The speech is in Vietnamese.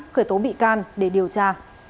khởi tố bị can để điều tra